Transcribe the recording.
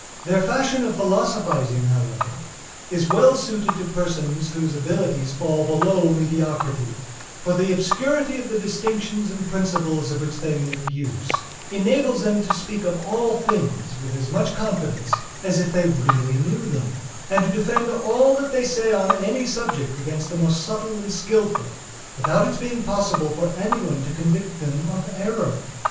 Their fashion of philosophizing, however, is well suited to persons whose abilities fall below mediocrity; for the obscurity of the distinctions and principles of which they make use enables them to speak of all things with as much confidence as if they really knew them, and to defend all that they say on any subject against the most subtle and skillful, without its being possible for any one to convict them of error.